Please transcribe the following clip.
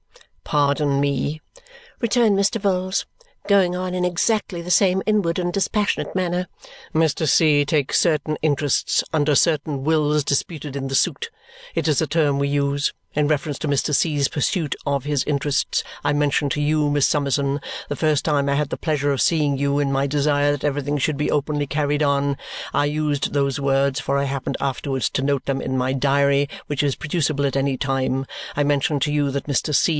"Pardon me," returned Mr. Vholes, going on in exactly the same inward and dispassionate manner. "Mr. C. takes certain interests under certain wills disputed in the suit. It is a term we use. In reference to Mr. C,'s pursuit of his interests, I mentioned to you, Miss Summerson, the first time I had the pleasure of seeing you, in my desire that everything should be openly carried on I used those words, for I happened afterwards to note them in my diary, which is producible at any time I mentioned to you that Mr. C.